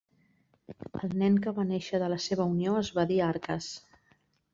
El nen que va néixer de la seva unió es va dir Arcas.